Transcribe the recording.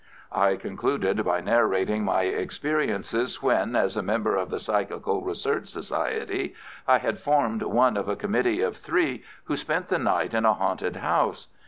I concluded by narrating my experiences when, as a member of the Psychical Research Society, I had formed one of a committee of three who spent the night in a haunted house.